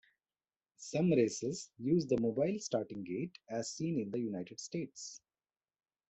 Some races use the mobile starting gate as seen in the United States.